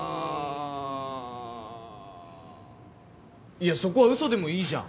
いやそこは嘘でもいいじゃん。